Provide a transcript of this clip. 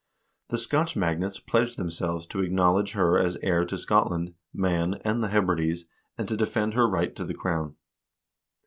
The Scotch magnates pledged themselves to acknowl edge her as heir to Scotland, Man, and the Hebrides, and to defend her right to the crown.